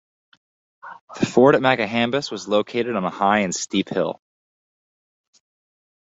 The fort at Makahambus was located on a high and steep hill.